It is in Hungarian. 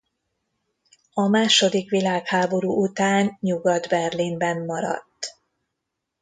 A második világháború után Nyugat-Berlinben maradt.